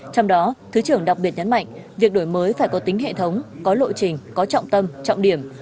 trong đó thứ trưởng đặc biệt nhấn mạnh việc đổi mới phải có tính hệ thống có lộ trình có trọng tâm trọng điểm